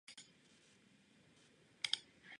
Argyranthemum frutescens ssp.